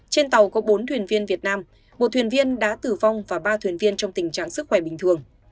trên tàu có bốn thuyền viên việt nam một thuyền viên đã tử vong và ba thuyền viên trong tình trạng sức khỏe bình thường